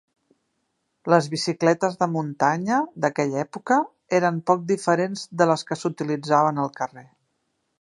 Les bicicletes de muntanya d'aquella època eren poc diferents de les que s'utilitzaven al carrer.